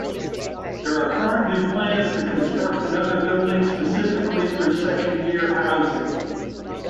There are currently plans to construct another building specifically for second-year housing.